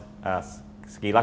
jadi hanya contoh sekilas